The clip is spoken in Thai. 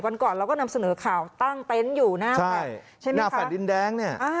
วันก่อนเราก็นำเสนอข่าวตั้งเต้นอยู่หน้าแฝดดินแดง